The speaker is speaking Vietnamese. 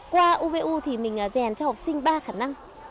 qua upu thì mình rèn cho học sinh ba khả năng